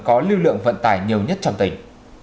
có lưu lượng vận tải nhiều nhất trong tỉnh